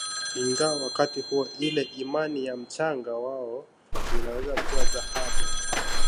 Ingawa wakati huo ile imani ya mchanga wao unaweza kuwa dhahabu